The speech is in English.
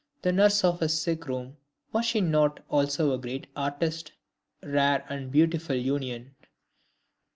The nurse of his sick room was she not also a great artist? Rare and beautiful union!